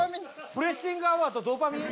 プレッシングアワーとドーパミン？